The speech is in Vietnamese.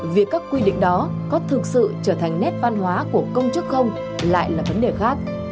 việc các quy định đó có thực sự trở thành nét văn hóa của công chức không lại là vấn đề khác